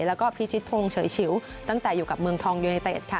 แล้วก็พิชิตพงศ์เฉยฉิวตั้งแต่อยู่กับเมืองทองยูเนเต็ดค่ะ